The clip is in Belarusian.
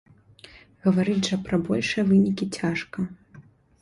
Гаварыць жа пра большыя вынікі цяжка.